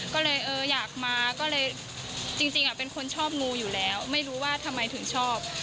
ก็เลยเอออยากมาก็เลยจริงเป็นคนชอบงูอยู่แล้วไม่รู้ว่าทำไมถึงชอบ